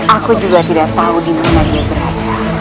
aku juga tidak tahu di mana dia berada